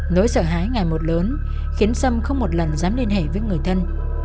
nỗi sợ hãi ngày một lớn khiến sâm không một lần dám liên hệ với người thân